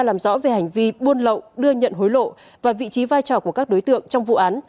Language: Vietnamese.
làm rõ về hành vi buôn lậu đưa nhận hối lộ và vị trí vai trò của các đối tượng trong vụ án